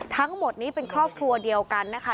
ทั้งหมดนี้เป็นครอบครัวเดียวกันนะคะ